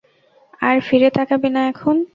আর ফিরে তাকাবে না এখন?